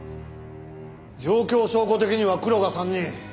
状況証拠的にはクロが３人。